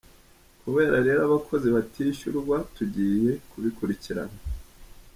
Kuba rero abakozi batishyurwa tugiye kubikurikirana.